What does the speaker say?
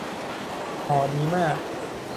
ห่อดีมาก